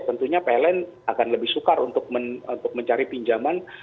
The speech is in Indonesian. tentunya pln akan lebih sukar untuk mencari pinjaman